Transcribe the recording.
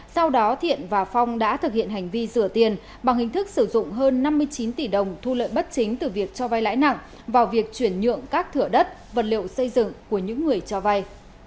sau đó thiện và phong đã thực hiện hành vi rửa tiền bằng hình thức sử dụng hơn năm mươi chín tỷ đồng thu lợi bất chính từ việc cho vai lãi nặng vào việc chuyển nhượng các thửa đất vật liệu xây dựng của những người cho vay